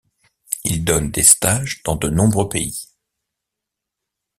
Il donne des stages dans de nombreux pays.